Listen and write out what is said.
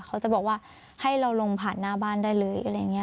เขาจะบอกว่าให้เราลงผ่านหน้าบ้านได้เลยอะไรอย่างนี้